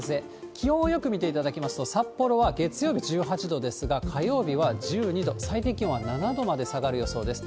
気温をよく見ていただきますと、札幌は月曜日１８度ですが、火曜日は１２度、最低気温は７度まで下がる予想です。